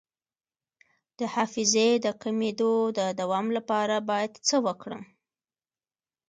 د حافظې د کمیدو د دوام لپاره باید څه وکړم؟